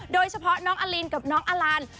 โดยเฉพาะน้องอลินกับน้องอลัน